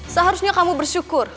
seharusnya kamu bersyukur